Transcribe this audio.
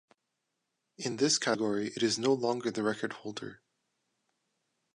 In this category it is no longer the record-holder.